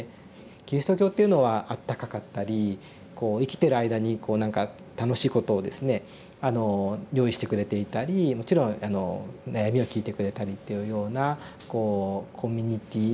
キリスト教っていうのはあったかかったりこう生きてる間にこう何か楽しいことをですね用意してくれていたりもちろん悩みを聞いてくれたりというようなこうコミュニティー